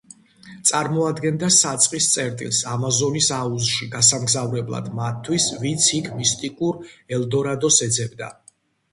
წარმოადგენდა საწყის წერტილს ამაზონის აუზში გასამგზავრებლად მათთვის, ვინც იქ მისტიკურ ელდორადოს ეძებდა.